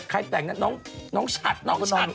ใครแต่งนั้นน้องชัดน้องชัด